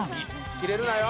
「キレるなよ」